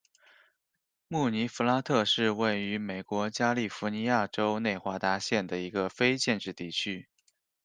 穆尼弗拉特是位于美国加利福尼亚州内华达县的一个非建制地区。